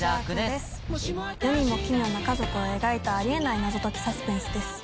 世にも奇妙な家族を描いたあり得ない謎解きサスペンスです。